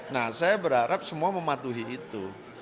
nah saya berharap semua mematuhi itu